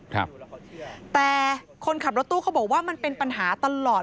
ครับแต่คนขับรถตู้เขาบอกว่ามันเป็นปัญหาตลอด